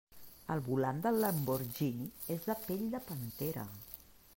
El volant del Lamborghini és de pell de pantera.